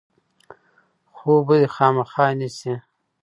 خوب به دی خامخا نیسي.